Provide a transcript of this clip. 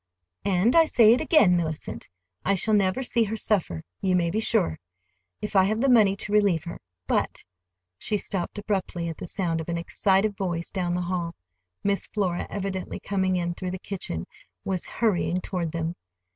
"And I say it again, Mellicent. I shall never see her suffer, you may be sure,—if I have the money to relieve her. But—" She stopped abruptly at the sound of an excited voice down the hall. Miss Flora, evidently coming in through the kitchen, was hurrying toward them.